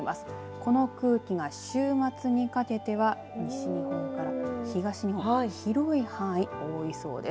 この空気が週末にかけては西日本から東日本広い範囲、覆いそうです。